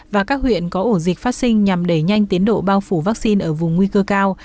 và các huyện có ổ dịch phát sinh nhằm đẩy nhanh tiến độ bao phủ vaccine ở vùng nguy cơ cao